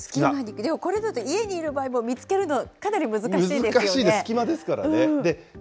でもこれだと、家にいる場合も見つけるの、かなり難しいです難しいです、隙間ですからね。